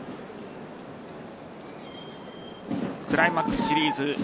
クライマックスシリーズ